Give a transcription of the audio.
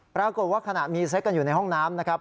ปรากฏว่าขณะมีเซ็กกันอยู่ในห้องน้ำนะครับ